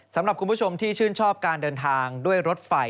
สำหรับคุณผู้ชมที่ชื่นชอบการเดินทางด้วยรถไฟ